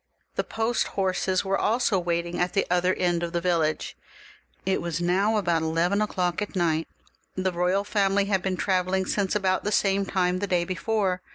The post horses were also wait ing at the other end of the village. It was now about eleven o'clock at night ; the royal family had been travel ling since about the same time the day before.